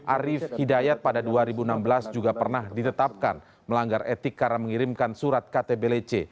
arief hidayat pada dua ribu enam belas juga pernah ditetapkan melanggar etik karena mengirimkan surat ktblc